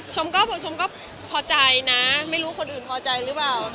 แต่เราก็ปั๊มนมอยู่ในห้อง